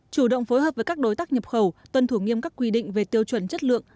chủ động phối hợp với các đối tác nhập khẩu tuân thủ nghiêm các quy định về tiêu chuẩn chất lượng